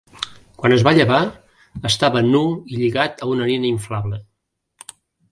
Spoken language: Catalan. Quan es va llevar, estava nu i lligat a una nina inflable.